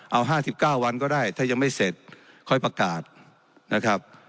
เอา๕๙วันก็ได้ถ้ายังไม่เสร็จค่อยประกาศนะครับ